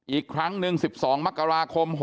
อีกครั้งหนึ่ง๑๒มกราคม๖๖